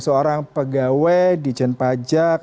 seorang pegawai dijen pajak